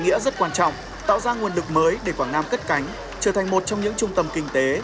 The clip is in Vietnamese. nghĩa rất quan trọng tạo ra nguồn lực mới để quảng nam cất cánh trở thành một trong những trung tâm kinh tế